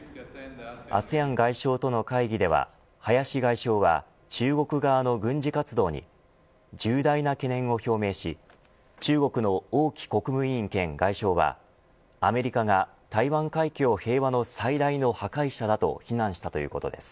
ＡＳＥＡＮ外相との会議では林外相は中国側の軍事活動に重大な懸念を表明し中国の王毅国務委員兼外相はアメリカが台湾海峡平和の最大の破壊者だと非難したということです。